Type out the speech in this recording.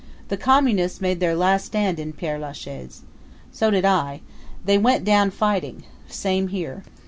The Communists made their last stand in Pere Lachaise. So did I. They went down fighting. Same here.